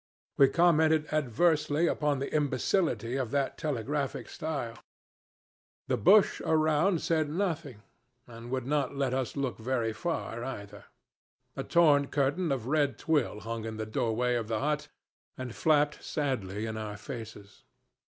We commented adversely upon the imbecility of that telegraphic style. The bush around said nothing, and would not let us look very far, either. A torn curtain of red twill hung in the doorway of the hut, and flapped sadly in our faces.